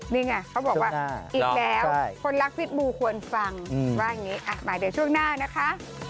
นี่ไงเขาบอกว่าอีกแล้วคนรักพิษบูควรฟังว่าอย่างนี้มาเดี๋ยวช่วงหน้านะคะ